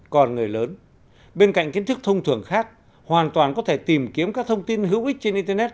còn người lớn bên cạnh kiến thức thông thường khác hoàn toàn có thể tìm kiếm các thông tin hữu ích trên internet